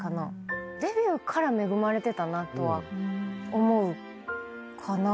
デビューから恵まれてたなとは思うかな。